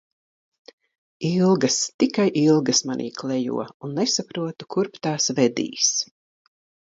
Ilgas, tikai ilgas manī klejo un nesaprotu, kurp tās vedīs.